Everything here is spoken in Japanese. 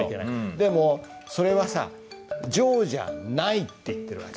でもそれはさ「常じゃない」って言ってる訳。